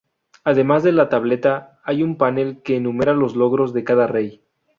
Además de la tableta, hay un panel que enumera los logros de cada rey.